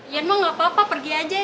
ya nong gak apa apa pergi aja ya